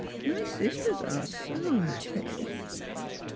My sisters are so 'appy